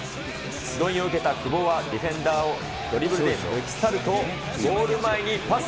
スローインを受けたディフェンダーをドリブルで抜き去ると、ゴール前にパス。